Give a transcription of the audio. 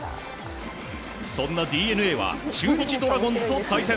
そんなＤｅＮＡは中日ドラゴンズと対戦。